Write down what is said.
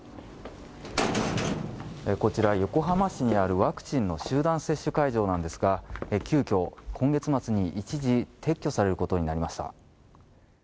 こちら横浜市にあるワクチンの集団接種会場なんですが、急遽今月末に一時撤去されることになりました。